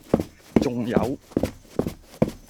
仲有